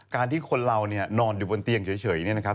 การที่คนเรานอนอยู่บนเตียงเฉยอย่างนี้นะครับ